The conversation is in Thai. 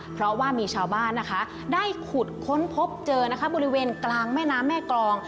เพราะว่ามีชาวบ้านนะคะได้ขุดค้นพบเจอนะคะบริเวณกลางแม่น้ำแม่กรอง